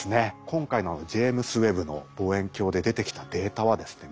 今回のあのジェイムズ・ウェッブの望遠鏡で出てきたデータはですね